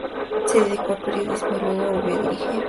Se dedicó al periodismo y, luego, volvió a dirigir.